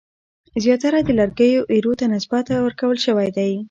زیاتره د لرګیو ایرو ته نسبت ورکول شوی دی.